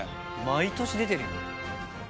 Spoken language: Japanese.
毎年出てるよ。